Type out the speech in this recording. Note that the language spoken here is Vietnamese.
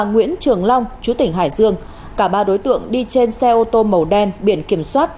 nguyễn trường long chú tỉnh hải dương cả ba đối tượng đi trên xe ô tô màu đen biển kiểm soát